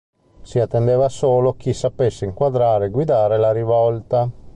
Si attendeva solo chi sapesse inquadrare e guidare la rivolta.